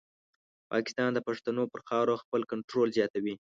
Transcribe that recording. پاکستان د پښتنو پر خاوره خپل کنټرول زیاتوي.